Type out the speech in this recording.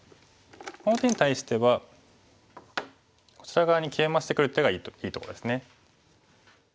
この手に対してはこちら側にケイマしてくる手がいいとこですね。